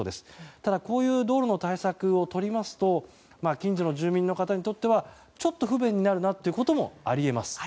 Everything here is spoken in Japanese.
ただ、こういう道路の対策を取りますと近所の住民の方にとってはちょっと不便になるということもあります。